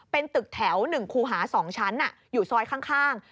เป็นตึกแถว๑คูหา๒ชั้นอยู่ซอยข้าง